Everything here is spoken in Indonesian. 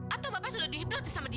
atau bapak sudah dihipload sama dia